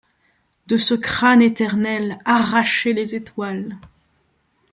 De ce crâne éternel arracher les étoiles ;